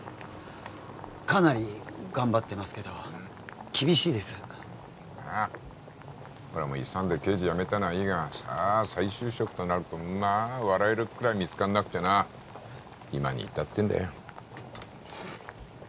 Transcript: かなり頑張ってますけど厳しいです俺も勇んで刑事辞めたのはいいがさあ再就職となるとまあ笑えるくらい見つかんなくてな今に至ってんだよ